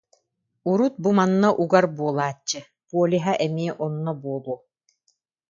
Урут бу манна угар буолааччы, полиһа эмиэ онно буолуо